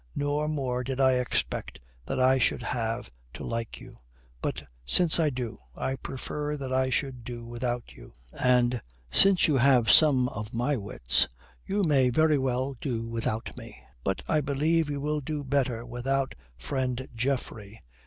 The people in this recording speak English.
No more did I expect that I should have to like you. But since I do, I prefer that I should do without you. And since you have some of my wits, you may very well do without me. But I believe you will do the better without friend Geoffrey.